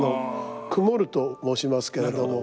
クモルと申しますけれども。